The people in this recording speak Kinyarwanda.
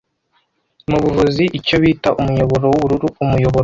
Mubuvuzi icyo bita umuyoboro wubururu Umuyoboro